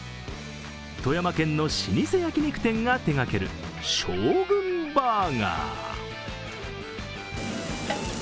富山県の老舗焼き肉店が手がけるショーグンバーガー。